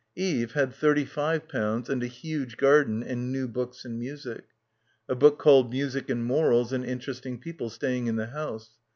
Eve had thirty five pounds and a huge garden and new books and music ... a book called "Music and Morals" and interesting people staying in the house.